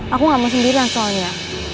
aku gak mau sendirian soalnya